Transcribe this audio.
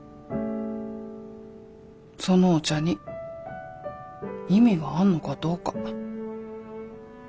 そのお茶に意味があんのかどうか。